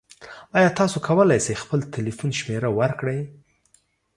ایا تاسو کولی شئ خپل تلیفون شمیره ورکړئ؟